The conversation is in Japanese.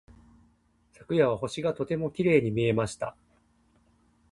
昨夜は星がとてもきれいに見えました。